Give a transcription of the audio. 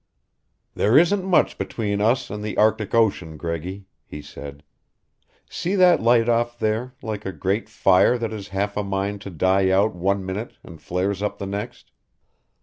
"There isn't much between us and the Arctic Ocean, Greggy," he said. "See that light off there, like a great fire that has half a mind to die out one minute and flares up the next?